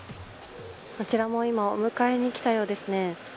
こちらも今お迎えに来たようですね。